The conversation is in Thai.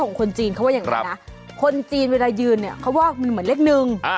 คนจีนเขาว่าอย่างนั้นนะคนจีนเวลายืนเนี่ยเขาว่ามันเหมือนเลขหนึ่ง